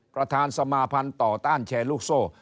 ประธานสมาพันธ์ต่อต้านแชร์ลูกโซ่